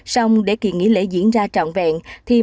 xong để kỳ nghỉ lễ diễn ra trọn vẹn